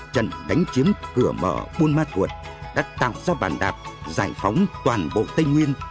trận đánh chiếm cửa mở buôn ma thuột đã tạo ra bàn đạp giải phóng toàn bộ tây nguyên